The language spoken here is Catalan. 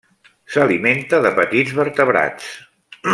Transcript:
S'alimenta de petits vertebrats.